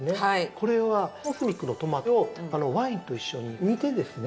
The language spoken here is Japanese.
これはＯＳＭＩＣのトマトをワインと一緒に煮てですね